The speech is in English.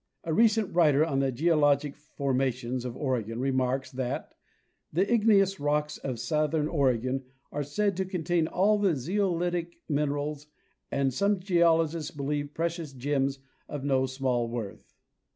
A recent writer on the geo logic formations of Oregon remarks that "the igneous rocks of southern Oregon are said to contain all the zeolitic minerals; and some geologists believe precious gems of no small worth."